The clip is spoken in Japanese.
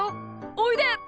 おいで！